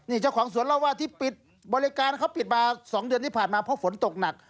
นี่เจ้าของสวนเล่าว่าที่ปิดบริการเขาปิดมา๒เดือนที่ผ่านมาเพราะฝนตกหนัก